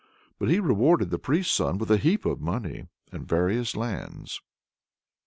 But he rewarded the priest's son with a heap of money and various lands.